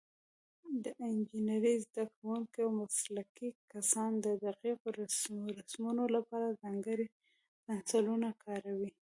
د انجینرۍ زده کوونکي او مسلکي کسان د دقیقو رسمونو لپاره ځانګړي پنسلونه کاروي.